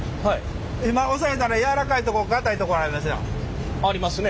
今押さえたらやわらかいとこかたいとこあるでしょ？